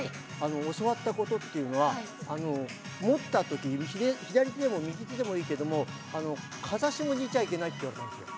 教わったことっていうのは、持ったとき、左手でも右手でもいいけど、風下にいちゃいけないって言われたんですよ。